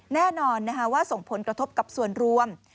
แน่นอนว่าส่งผลกระทบกับส่วนรวม